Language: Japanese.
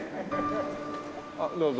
あっどうぞ。